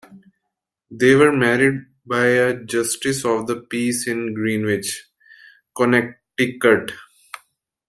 They were married by a justice of the peace in Greenwich, Connecticut.